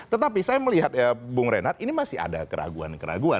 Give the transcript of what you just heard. tetapi saya melihat bung renat ini masih ada keraguan keraguan